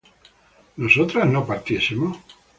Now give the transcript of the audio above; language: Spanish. ¿nosotras no partiésemos?